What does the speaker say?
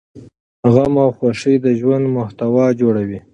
غم او خوښي د ژوند محتوا جوړوي.